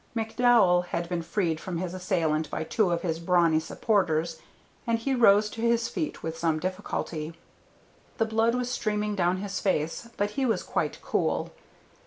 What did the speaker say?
McDowell had been freed from his assailant by two of his brawny supporters, and he rose to his feet with some difficulty; the blood was streaming down his face, but he was quite cool.